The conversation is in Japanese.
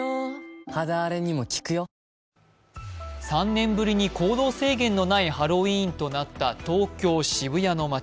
３年ぶりに行動制限のないハロウィーンとなった東京・渋谷の街。